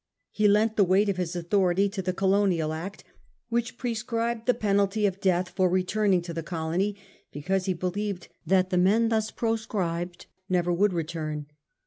He lent the weight of tMs authority to the colonial Act, which prescribed the penalty of death for returning to the colony, because he believed that the men thus pro scribed never would return.